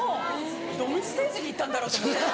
どのステージに行ったんだろうと思って。